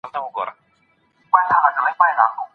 سوپرنووا انفجارونه بې نهایت روښنايي تولیدوي.